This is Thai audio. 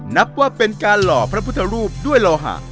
นับว่าเป็นการหล่อพระพุทธรูปด้วยโลหะ